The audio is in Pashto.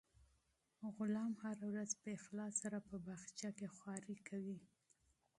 غلام هره ورځ په اخلاص سره په باغچه کې خوارۍ کوي.